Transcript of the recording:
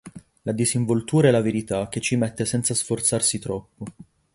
La disinvoltura e la verità che ci mette senza sforzarsi troppo.